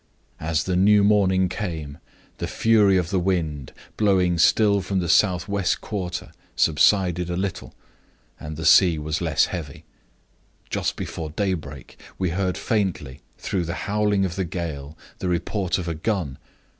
As the new morning came, the fury of the wind, blowing still from the southwest quarter, subsided a little, and the sea was less heavy. Just before daybreak we heard faintly, through the howling of the gale, the report of a gun.